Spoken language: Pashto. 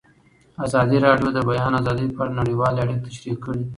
ازادي راډیو د د بیان آزادي په اړه نړیوالې اړیکې تشریح کړي.